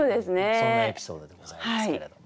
そんなエピソードでございますけれども。